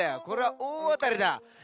これはおおあたりだ。